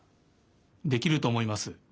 できるとおもいます。